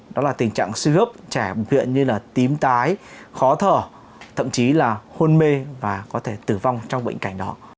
đó là tình trạng suy ước trẻ biểu hiện như là tím tái khó thở thậm chí là hôn mê và có thể tử vong trong bệnh cảnh đó